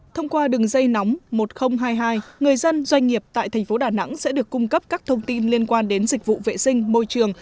thông qua đường dây nóng một nghìn hai mươi hai người dân doanh nghiệp tại thành phố đà nẵng sẽ được cung cấp các thông tin liên quan đến dịch vụ vệ sinh môi trường